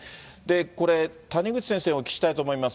これ、谷口先生にお聞きしたいと思います。